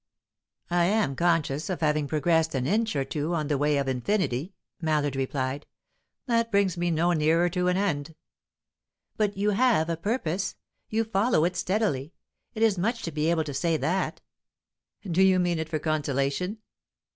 "I am conscious of having progressed an inch or two on the way of infinity," Mallard replied. "That brings me no nearer to an end." "But you have a purpose; you follow it steadily. It is much to be able to say that." "Do you mean it for consolation?"